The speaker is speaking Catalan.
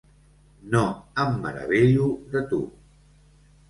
No em meravello de tu.